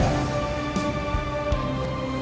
nah ujar hiding